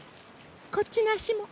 こっちのあしも。